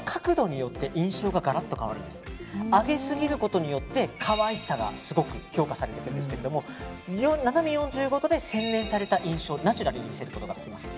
上げすぎることによって可愛さがすごく強化されていくんですが斜め４５度で洗練された印象ナチュラルに見せることができます。